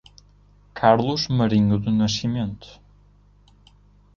Carlos Marinho do Nascimento